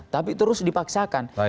tapi terus dipaksakan